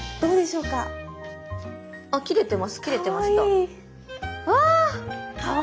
うわ！